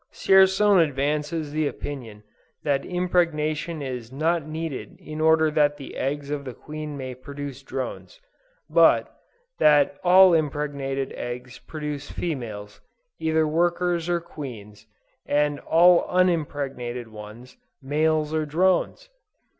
Dzierzon advances the opinion that impregnation is not needed in order that the eggs of the Queen may produce drones; but, that all impregnated eggs produce females, either workers or Queens; and all unimpregnated ones, males or drones!